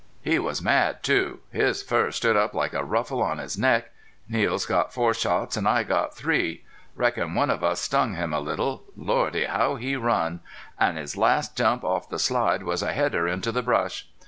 He was mad, too. His fur stood up like a ruffle on his neck. Niels got four shots an' I got three. Reckon one of us stung him a little. Lordy, how he run! An' his last jump off the slide was a header into the brush.